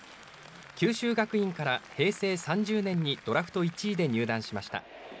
九州学院から平成３０年にドラフト１位で入団しました。